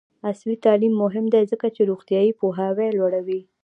عصري تعلیم مهم دی ځکه چې روغتیایي پوهاوی لوړوي.